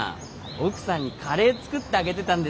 奥さんにカレー作ってあげてたんですか？